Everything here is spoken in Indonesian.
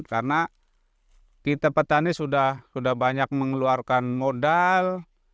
karena kita petani sudah banyak mengeluarkan modal